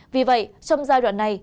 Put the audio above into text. vì vậy trong giai đoạn này